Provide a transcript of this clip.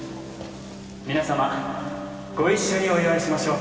皆様ご一緒にお祝いしましょう。